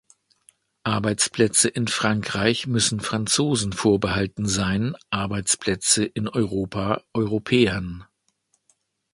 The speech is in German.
Arbeitsplätze in Frankreich müssen Franzosen vorbehalten sein, Arbeitsplätze in Europa Europäern.